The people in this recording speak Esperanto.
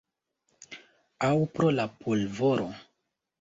Aŭ pro la pulvoro?